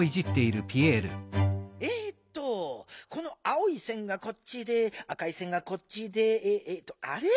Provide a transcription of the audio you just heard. えっとこの青いせんがこっちで赤いせんがこっちであれ？